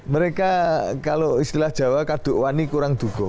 mereka kalau istilah jawa kaduk wani kurang dukung